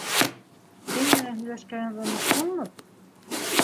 Кем менән һөйләшкәнеңде оноттоңмо?